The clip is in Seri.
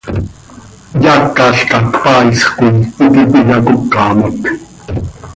Eaacalca cpaaisx coi íti cöiyacócamot.